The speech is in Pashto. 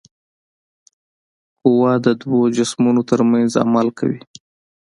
قوه د دوو جسمونو ترمنځ عمل کوي.